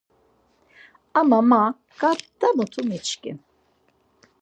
Ama ma ǩarta mutu miçkin.